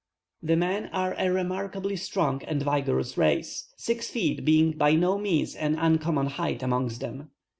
The men are a remarkably strong and vigorous race, six feet being by no means an uncommon height amongst them.